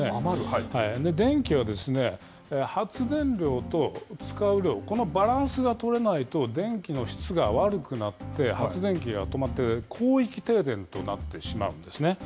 電気は発電量と使う量、このバランスが取れないと、電気の質が悪くなって発電機が止まって広域停電となってしまうんですね。